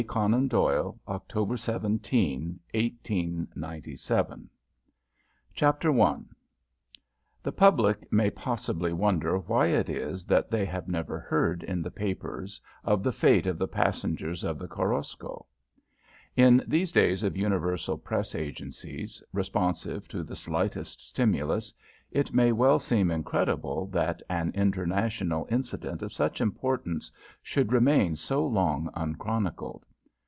Conan Doyle October 17, 1897 A DESERT DRAMA CHAPTER I The public may possibly wonder why it is that they have never heard in the papers of the fate of the passengers of the __Korosko__. In these days of universal press agencies, responsive to the slightest stimulus, it may well seem incredible that an international incident of such importance should remain so long unchronicled.